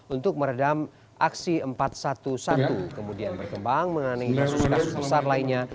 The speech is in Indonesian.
untuk meredam aksi empat ratus sebelas kemudian berkembang mengenai kasus kasus besar lainnya